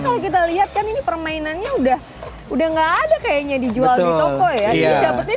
kalau kita lihat kan ini permainannya udah udah gak ada kayaknya dijual di toko ya